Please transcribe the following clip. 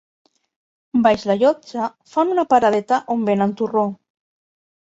Baix la Llotja fan una paradeta on venen torró.